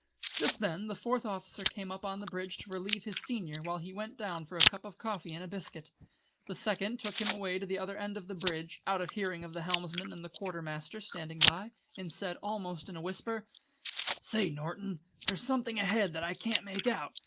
Just then the Fourth Officer came up on to the bridge to relieve his senior while he went down for a cup of coffee and a biscuit. The Second took him away to the other end of the bridge, out of hearing of the helmsman and the quartermaster standing by, and said almost in a whisper: "Say, Norton, there's something ahead there that I can't make out.